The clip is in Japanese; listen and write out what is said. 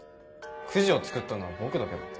くじを作ったのは僕だけど。